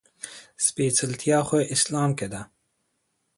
سپېڅلتيا خو اسلام کې ده.